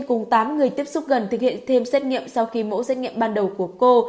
cùng tám người tiếp xúc gần thực hiện thêm xét nghiệm sau khi mẫu xét nghiệm ban đầu của cô